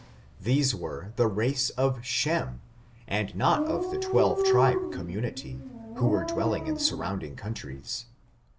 These were the race of Shem, and not of the twelve tribe community, who were dwelling in the surround ing countries.